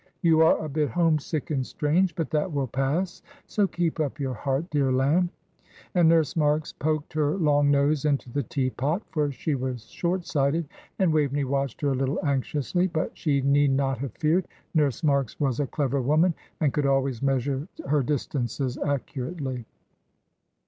You are a bit homesick and strange, but that will pass, so keep up your heart, dear lamb;" and Nurse Marks poked her long nose into the tea pot, for she was short sighted; and Waveney watched her a little anxiously; but she need not have feared: Nurse Marks was a clever woman, and could always measure her distances accurately.